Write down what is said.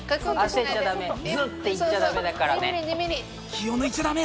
気を抜いちゃダメ。